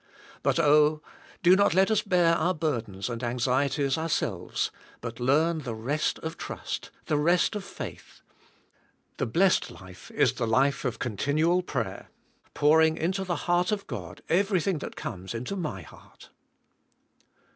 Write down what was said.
But oh, do not let us bear our burdens and anxieties ourselves, but learn the rest of trust, the rest of faith. The blessed life is the life of con tinual prayer, pouring into the heart of God every thing* that comes into my heart.